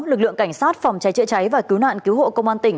lực lượng cảnh sát phòng cháy chữa cháy và cứu nạn cứu hộ công an tỉnh